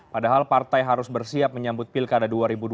padahal partai harus bersiap menyambut pilkada dua ribu dua puluh